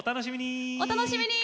お楽しみに！